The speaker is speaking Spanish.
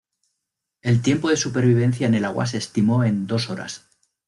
El tiempo de supervivencia en el agua se estimó en dos horas.